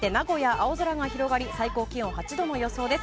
青空が広がり最高気温８度の予想です。